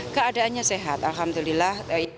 keadaannya sehat alhamdulillah